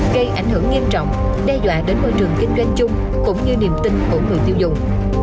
gây ảnh hưởng nghiêm trọng đe dọa đến môi trường kinh doanh chung cũng như niềm tin của người tiêu dùng